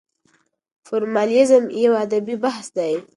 فورمالېزم يو ادبي بحث دی.